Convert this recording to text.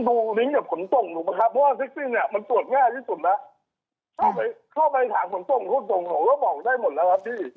ผมเลยบอกได้หมดและเพิ่ม